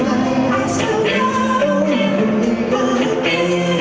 แล้วนี้เธอมีอะไรที่เธอกันบ้างใช่ไหม